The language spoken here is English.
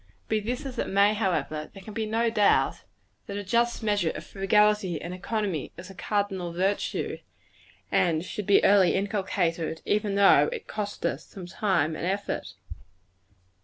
Be this as it may, however, there can be no doubt that a just measure of frugality and economy is a cardinal virtue, and should be early inculcated, even though it cost us some time and effort.